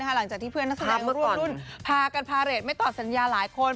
หลังจากที่เพื่อนนักแสดงมาร่วมรุ่นพากันพาเรทไม่ตอบสัญญาหลายคน